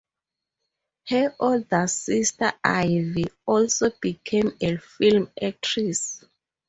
Her older sister Ivy also became a film actress.